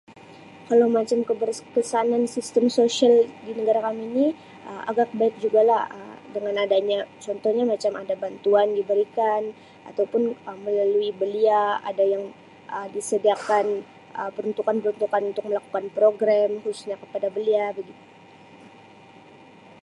Kalau macam keberkesan sistem sosial di negara kami ni Um agak baik juga la Um dengan ada nya contohnya macam ada bantuan diberikan atau pun Um melalui belia ada yang Um disediakan Um peruntukan-peruntukan untuk melakukan program khususnya kepada belia.